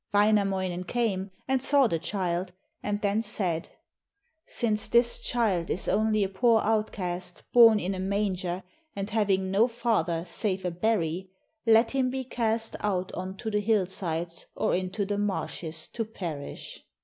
Wainamoinen came and saw the child, and then said: 'Since this child is only a poor outcast, born in a manger, and having no father save a berry, let him be cast out on to the hillsides or into the marshes to perish.'